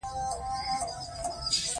زه د ساده خبرو مینوال یم.